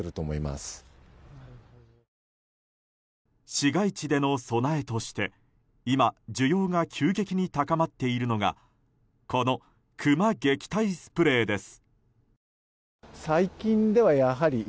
市街地での備えとして今、需要が急激に高まっているのがこの、クマ撃退スプレーです。